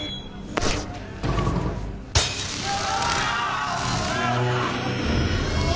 うわ！